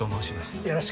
よろしく。